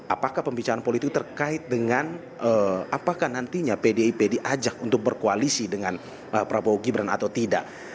apakah pembicaraan politik terkait dengan apakah nantinya pdip diajak untuk berkoalisi dengan prabowo gibran atau tidak